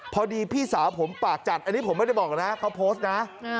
พี่สาวผมปากจัดอันนี้ผมไม่ได้บอกนะเขาโพสต์นะ